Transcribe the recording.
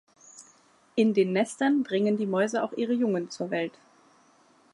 In den Nestern bringen die Mäuse auch ihre Jungen zur Welt.